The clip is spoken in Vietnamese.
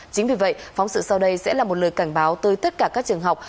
chính vì vậy phóng sự sau đây sẽ là một lời cảnh báo tới tất cả các trường học